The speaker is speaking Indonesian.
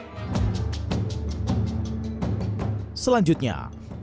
pertemuan puan maharani dan anies baswedan juga ramai disorot